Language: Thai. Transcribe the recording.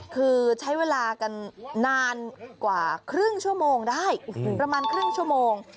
คือใช้เวลากันนานกว่าครึ่งชั่วโมงได้ประมาณครึ่งชั่วโมง